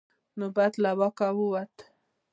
نوبت له واکه ووت.